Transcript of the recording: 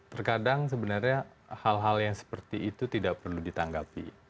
terkadang sebenarnya hal hal yang seperti itu tidak perlu ditanggapi